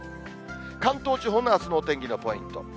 関東地方のあすのお天気のポイント。